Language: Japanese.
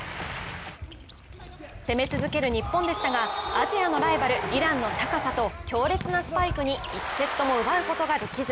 攻め続ける日本でしたがアジアのライバルイランの高さと強烈なスパイクに１セットも奪うことができず。